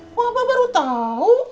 kok apa baru tahu